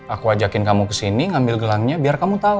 aku ajakin kamu kesini ngambil gelangnya biar kamu tahu